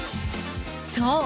［そう。